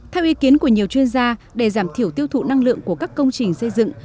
theo ý kiến của nhiều chuyên gia để giảm thiểu tiêu thụ năng lượng của các công trình xây dựng